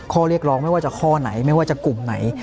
ข้อเรียกร้องไม่ว่าจะข้อไหนไม่ว่าจะกลุ่มไหน